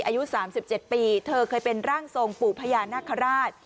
อายุ๓๗ปีเธอเคยเป็นร่างทรงปู่พญานาคาราช